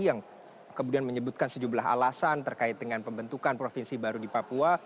yang kemudian menyebutkan sejumlah alasan terkait dengan pembentukan provinsi baru di papua